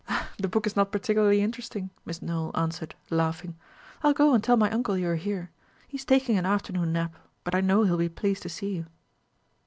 "The book is not particularly interesting," Miss Nowell answered, laughing. "I'll go and tell my uncle you are here. He is taking an afternoon nap; but I know he'll be pleased to see you."